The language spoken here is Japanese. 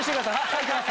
はいてます